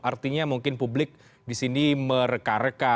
artinya mungkin publik di sini mereka reka